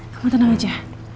kamu tenang aja